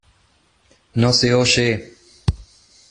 ¡No se oye!